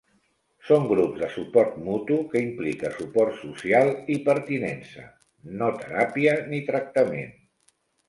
Són grups de suport mutu que implica suport social i pertinença, no teràpia ni tractament.